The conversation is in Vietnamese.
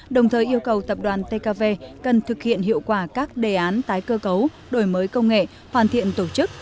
đồng thời yêu cầu tập đoàn tkv cần thực hiện hiệu quả các đề án tái cơ cấu đổi mới công nghệ hoàn thiện tổ chức